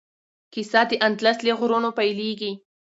کیسه د اندلس له غرونو پیلیږي.